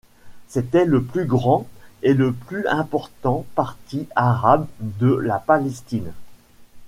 C'était le plus grand et le plus important parti arabe de la Palestine.